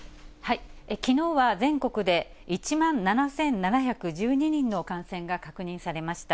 きのうは全国で、１万７７１２人の感染が確認されました。